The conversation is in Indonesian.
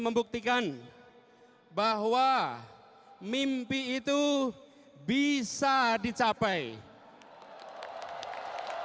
membuktikan bahwa mimpi itu bisa dicapai hai hai